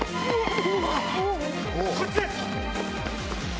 こっち！